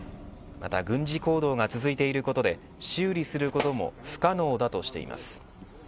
また軍事行動が続いていることで修理することも不可能だとしています。